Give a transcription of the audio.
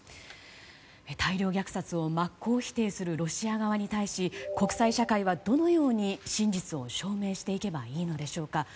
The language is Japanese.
大量虐殺を真っ向否定するロシア側に対し国際社会はどのように真実を証明していけばいいのでしょうか。